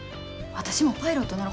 私もパイロットなろ。